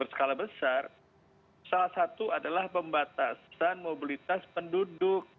skala besar salah satu adalah pembatasan mobilitas penduduk